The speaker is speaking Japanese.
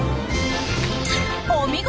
お見事！